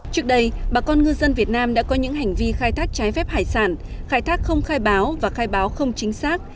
trước đây bà con ngư dân việt nam đã có những hành vi khai thác trái phép hải sản khai thác không khai báo và khai báo không chính xác